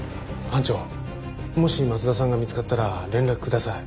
班長もし松田さんが見つかったら連絡ください。